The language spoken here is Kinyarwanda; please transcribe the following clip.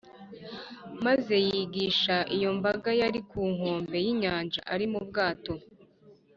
maze yigisha iyo mbaga yari ku nkombe y’inyanja ari mu bwato